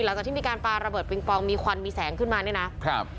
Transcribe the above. หลังจากที่มีการปาระเบิดปิงปองมีควันมีแสงขึ้นมาเนี่ยนะครับ